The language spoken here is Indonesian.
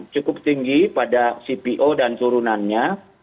cukup tinggi pada cpo dan turunannya